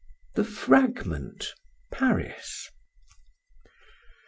THE FRAGMENT. PARIS.